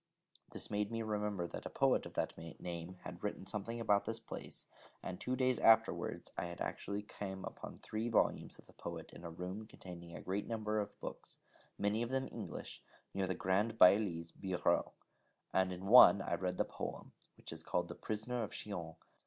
This made me remember that a poet of that name had written something about this place, and two days afterwards I actually came upon three volumes of the poet in a room containing a great number of books, many of them English, near the Grand Bailli's bureau: and in one I read the poem, which is called 'The Prisoner of Chillon.'